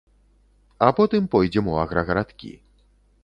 А потым пойдзем у аграгарадкі.